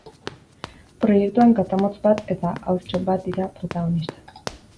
Proiektuan katamotz bat eta haurtxo bat dira protagonistak.